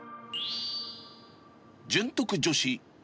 潤徳女子。